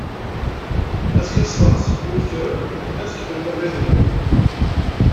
Azekka ṣṣbeḥ zik, mi d-tekkrem ad tkemmlem abrid-nwen.